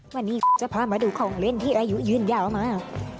วันนี้จะพามาดูของเล่นที่อายุยืนยาวมาก